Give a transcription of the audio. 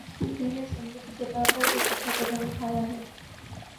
Speaker نے assembly کی سطح پر ایک اچھا قدم اٹھایا ہے۔